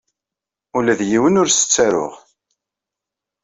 Ula d yiwen ur as-ttaruɣ.